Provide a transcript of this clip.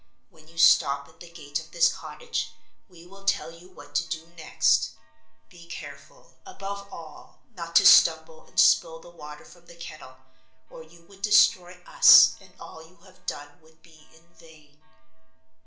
When you stop at the gate of this cottage we will tell you what to do next. Be careful, above all, not to stumble and spill the water from the kettle, or you would destroy us and all you have done would be in vain."